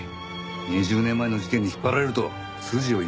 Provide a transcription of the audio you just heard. ２０年前の事件に引っ張られると筋を読み違えるぞ。